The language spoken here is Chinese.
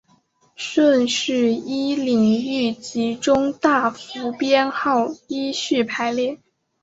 顺序依领域及中大服编号依序排列。